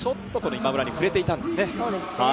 今村に触れていたんですね。